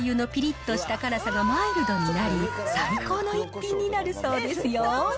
ラー油のぴりっとした辛さがマイルドになり、最高の一品になるそうですよ。